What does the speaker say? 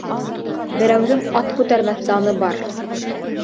Берәүҙең ат күтәрмәҫ даны бар.